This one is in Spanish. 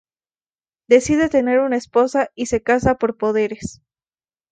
Decide tener una esposa y se casa por poderes.